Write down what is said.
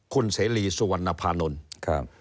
คุณเสรีสุวรรณภานนท์ครับ